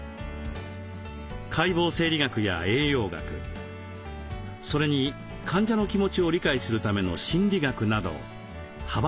解剖生理学や栄養学それに患者の気持ちを理解するための心理学など幅広い教科を学んでいます。